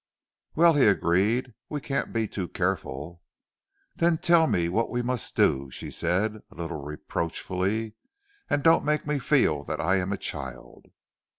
"Well," he agreed, "we can't be too careful." "Then tell me what we must do," she said a little reproachfully, "and don't make me feel that I am a child."